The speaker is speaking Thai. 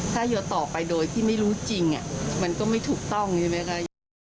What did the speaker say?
ถ้าโยนต่อไปโดยที่ไม่รู้จริงมันก็ไม่ถูกต้องใช่ไหมคะ